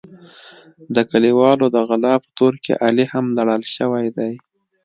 د کلیوالو د غلا په تور کې علي هم لړل شوی دی.